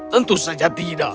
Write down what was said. tentu saja tidak